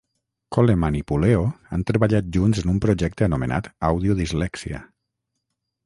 Coleman i Puleo han treballat junts en un projecte anomenat Audio Dyslexia.